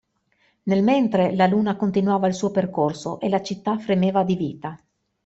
Nel mentre, la luna continuava il suo percorso, e la città fremeva di vita.